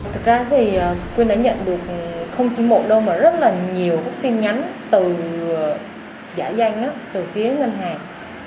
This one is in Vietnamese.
thực ra thì quyên đã nhận được không chỉ một đâu mà rất là nhiều các tin nhắn từ giả danh từ phía ngân hàng